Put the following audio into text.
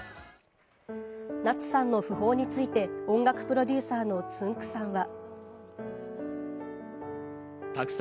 夏さんの訃報について、音楽プロデューサーのつんく♂さんは。